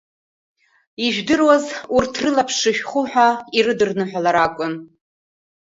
Ижәдыруаз урҭ рылаԥш шышәху ҳәа ирыдырныҳәалар акәын…